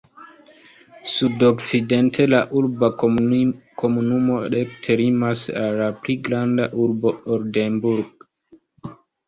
Sudokcidente la urba komunumo rekte limas al la pli granda urbo Oldenburg.